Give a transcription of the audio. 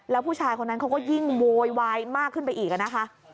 แล้วผู้ชายคนนั้นเขาก็ยิ่งโวยวายมากขึ้นไปอีกนะคะ